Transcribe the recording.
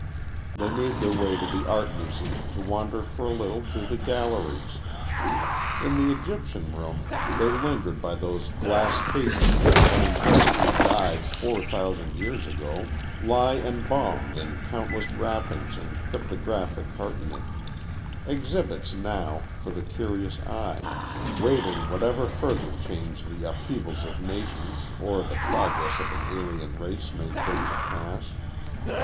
They made their way to the Art Museum to wander for a little through the galleries. In the Egyptian room they lingered by those glass cases where men and women who died four thousand years ago lie embalmed in countless wrappings and cryptographic cartonnage exhibits, now, for the curious eye, waiting whatever further change the upheavals of nations or the progress of an alien race may bring to pass.